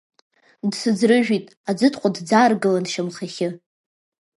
Дсыӡрыжәит, аӡытҟәа дӡааргылан шьамхахьы.